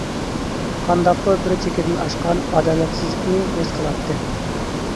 قانداقتۇر بىر چېكىدىن ئاشقان ئادالەتسىزلىكنى ھېس قىلاتتى.